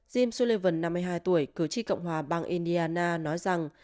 jem sullivan năm mươi hai tuổi cử tri cộng hòa bang indiana nói rằng